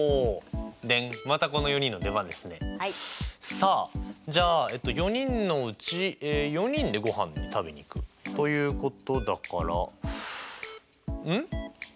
さあじゃあ４人のうち４人でごはんを食べに行くということだからん？